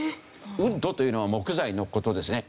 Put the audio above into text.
ウッドというのは木材の事ですね。